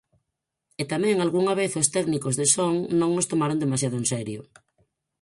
E tamén algunha vez os técnicos de son non nos tomaron demasiado en serio.